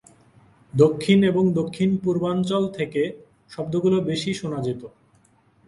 দক্ষিণ এবং দক্ষিণ-পূর্বাঞ্চল থেকে শব্দগুলো বেশি শোনা যেত।